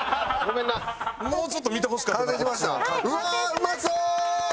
うまそう！